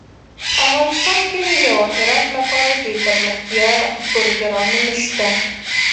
افغانستان کې د جواهرات لپاره دپرمختیا پروګرامونه شته.